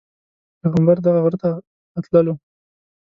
پیغمبر دغه غره ته راتللو.